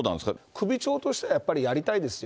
首長としてはやっぱりやりたいですよ。